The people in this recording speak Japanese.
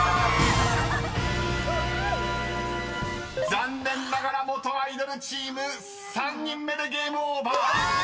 ［残念ながら元アイドルチーム３人目でＧＡＭＥＯＶＥＲ］